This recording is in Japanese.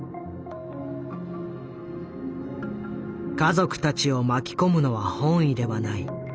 「家族たちを巻き込むのは本意ではない。